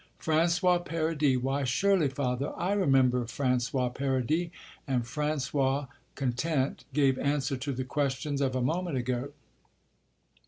"François Paradis! ... Why surely, father, I remember François Paradis." And François, content, gave answer to the questions of a moment ago.